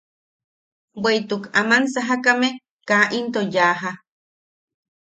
Bweʼituk aman sajakame kaa into yaaja.